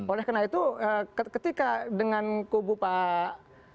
oleh karena itu ketika dengan kubu pak